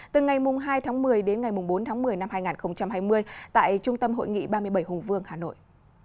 từ ngày hai tháng một mươi đến ngày bốn tháng một mươi năm hai nghìn hai mươi tại trung tâm hội nghị ba mươi bảy hùng vương hà nội